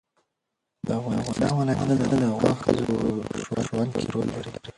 د افغانستان ولايتونه د افغان ښځو په ژوند کې رول لري.